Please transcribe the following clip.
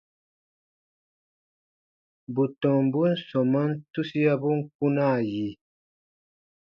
Bù tɔmbun sɔmaan tusiabun kpunaa yi.